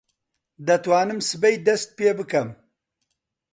دەتوانم سبەی دەست پێ بکەم.